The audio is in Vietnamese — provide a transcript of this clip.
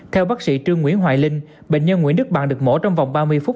theo bác sĩ trương nguyễn hoài linh bệnh nhân nguyễn đức bàn được mổ trong vòng ba mươi phút